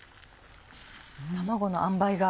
卵のあんばいが。